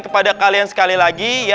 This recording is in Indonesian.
kepada kalian sekali lagi